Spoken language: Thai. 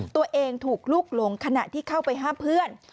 ตัวเองถูกลูกหลงขณะที่เข้าไปห้ามเพื่อน